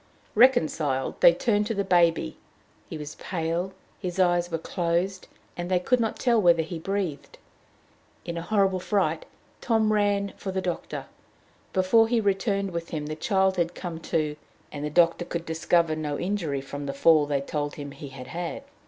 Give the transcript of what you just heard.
Reconciled, they turned to the baby. He was pale, his eyes were closed, and they could not tell whether he breathed. In a horrible fright, Tom ran for the doctor. Before he returned with him, the child had come to, and the doctor could discover no injury from the fall they told him he had had.